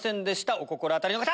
お心当たりの方！